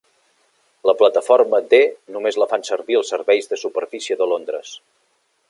La plataforma D només la fan servir els serveis de superfície de Londres.